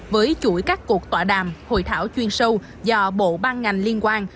với chuỗi các cuộc tọa đàm hội thảo chuyên sâu do bộ ban ngành liên quan